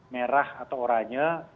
merah atau oranye